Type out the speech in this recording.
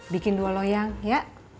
bikin dua loyang ya